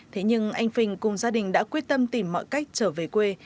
thế nhưng anh phình cùng gia đình đã quyết tâm tìm mọi cách trở về quê